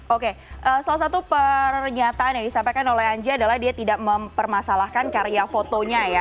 oke salah satu pernyataan yang disampaikan oleh anji adalah dia tidak mempermasalahkan karya fotonya ya